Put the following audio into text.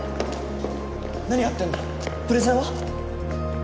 何やってんのプレゼンは？